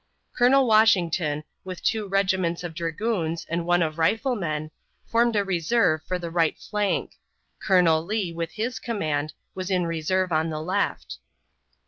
Colonel Washington, with two regiments of dragoons and one of riflemen, formed a reserve for the right flank; Colonel Lee, with his command, was in reserve on the left.